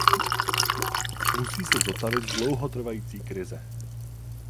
Musí se zotavit z dlouhotrvající krize.